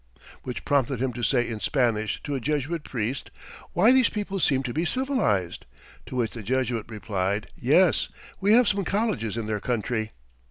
_' Which prompted him to say in Spanish to a Jesuit priest, 'Why, these people seem to be civilized.' To which the Jesuit replied, 'Yes, we have some colleges in their country.'